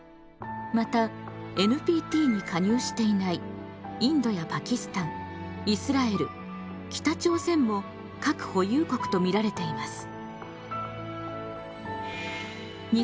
またＮＰＴに加入していないインドやパキスタンイスラエル北朝鮮も核保有国と見られています。